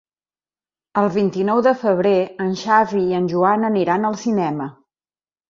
El vint-i-nou de febrer en Xavi i en Joan aniran al cinema.